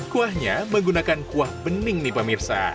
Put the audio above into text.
kuahnya menggunakan kuah bening nih pak mirsa